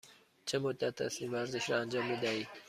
چه مدت است این ورزش را انجام می دهید؟